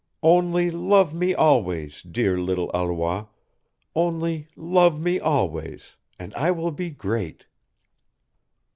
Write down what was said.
Only love me always, dear little Alois, only love me always, and I will be great."